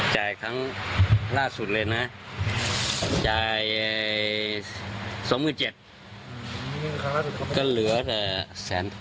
จะได้เงินเราคืนสรุปกว่าแค่นั้น